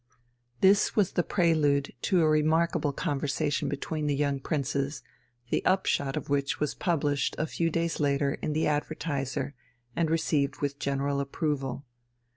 This was the prelude to a remarkable conversation between the young princes, the upshot of which was published a few days later in the Advertiser and received with general approval.